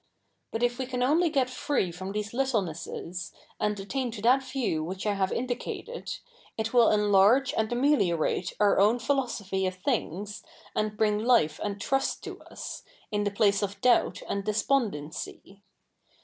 But if we ca7i only get free f7'07n these little7iesses, a7id attain to that vieiv ivhich I have CH. ij THE NEW REPUBLIC 85 indicated^ it ivill enlarge a?id ameliorate our ozvn philosophy of things, a?id bring life and trust to us, in the place of doubt and despofidency.